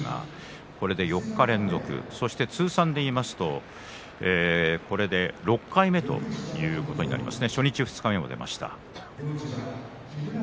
今日は月曜日なんですがこれで４日連続そして通算で言いますとこれで６回目ということになりますね。